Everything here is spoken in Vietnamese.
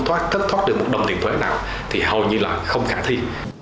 thoát được một đồng tiền thuế nào thì hầu như là không khả thi